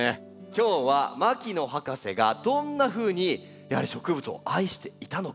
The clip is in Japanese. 今日は牧野博士がどんなふうにやはり植物を愛していたのか。